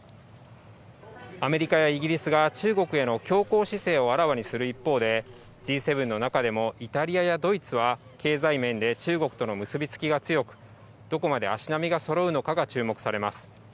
アメリカやイギリスが中国への強硬姿勢をあらわにする一方で、Ｇ７の中でも、イタリアやドイツは経済面で中国との結び付きが強く、どこまで足並みがそろうのかが注目されます。